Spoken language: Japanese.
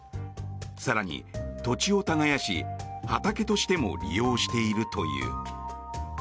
更に、土地を耕し畑としても利用しているという。